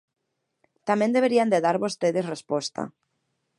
Tamén deberían de dar vostedes resposta.